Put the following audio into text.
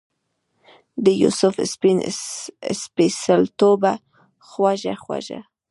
دیوسف سپین سپیڅلتوبه خوږه خوږه